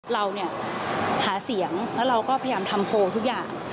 เราเนี่ยหาเสียงแล้วเราก็พยายามทำโพลทุกอย่าง